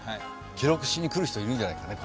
記録しに来る人いるんじゃないかね。